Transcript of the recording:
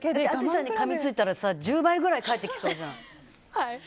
淳さんにかみついたら１０倍くらい返ってきそうじゃん。